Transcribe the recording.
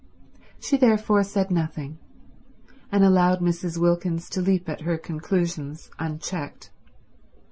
She therefore said nothing, and allowed Mrs. Wilkins to leap at her conclusions unchecked.